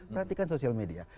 perhatikan social media